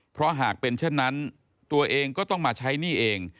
เพราะหากเป็นเช่นนั้นตัวเองก็ต้องมาใช้หนี้เอง